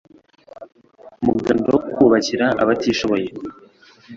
mu muganda wo kubakira abatishoboye